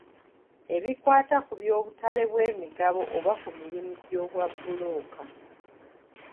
Ebikwata ku by'obutale bw'emigabo oba ku mirimu gy'obwabbulooka.